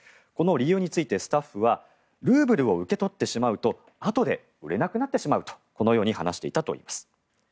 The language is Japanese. この理由についてスタッフはルーブルを受け取ってしまうとあとで売れなくなってしまうと話していたといいます。